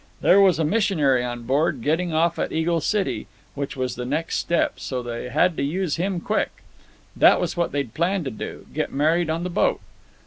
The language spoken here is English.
There was a missionary on board, getting off at Eagle City, which was the next step, so they had to use him quick. That's what they'd planned to do, get married on the boat.